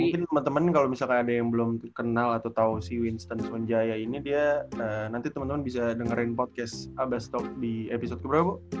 nah mungkin temen temen kalau misalkan ada yang belum kenal atau tahu si winston sonjaya ini dia nanti temen temen bisa dengerin podcast abastok di episode keberapa bo